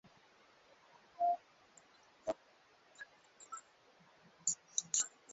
Imetayarishwa na Kennes Bwire sauti ya Amerika Washington